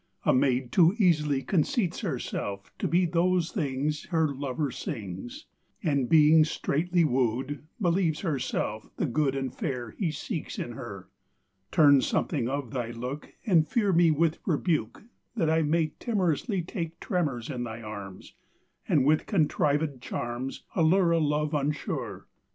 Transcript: A maid too easily Conceits herself to be Those things Her lover sings; And being straitly wooed, Believes herself the Good And Fair He seeks in her. Turn something of Thy look, And fear me with rebuke, That I May timorously Take tremors in Thy arms, And with contrivèd charms Allure A love unsure.